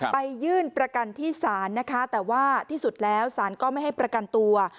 ยื่นประกันที่ศาลนะคะแต่ว่าที่สุดแล้วสารก็ไม่ให้ประกันตัว